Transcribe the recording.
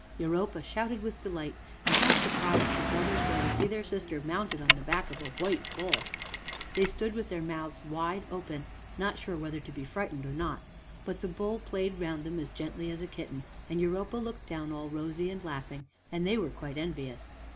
Europa shouted with delight, and how surprised the brothers were to see their sister mounted on the back of a white bull! They stood with their mouths wide open, not sure whether to be frightened or not. But the bull played round them as gently as a kitten, and Europa looked down all rosy and laughing, and they were quite envious.